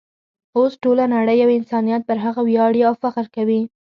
اوس ټوله نړۍ او انسانیت پر هغه ویاړي او فخر کوي.